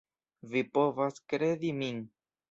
Vi povas kredi min.